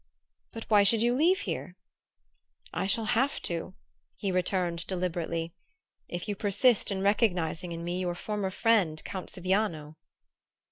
"But why should you leave here?" "I shall have to," he returned deliberately, "if you persist in recognizing in me your former friend Count Siviano."